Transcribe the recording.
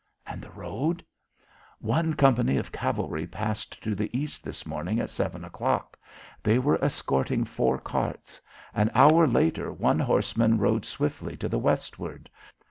"And the road?" "One company of cavalry passed to the east this morning at seven o'clock. They were escorting four carts. An hour later, one horseman rode swiftly to the westward.